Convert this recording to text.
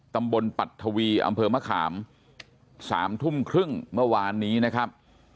ตำบลปัดทวีอำเภอมะขาม๓ทุ่มครึ่งเมื่อวานนี้นะครับ